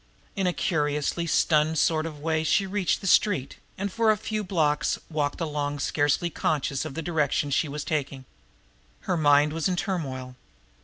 In a curiously stunned sort of way she reached the street, and for a few blocks walked along scarcely conscious of the direction she was taking. Her mind was in turmoil.